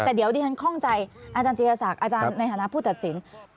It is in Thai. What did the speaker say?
แต่เดี๋ยวดิฉันคล่องใจอาจารย์จีรศักดิ์อาจารย์ในฐานะผู้ตัดสิน